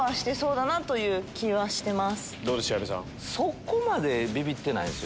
そこまでビビってないんすよね。